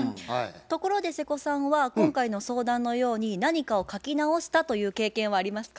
ところで瀬古さんは今回の相談のように何かを書き直したという経験はありますか？